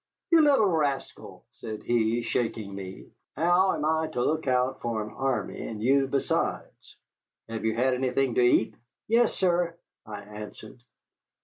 "You little rascal," said he, shaking me, "how am I to look out for an army and you besides? Have you had anything to eat?" "Yes, sir," I answered.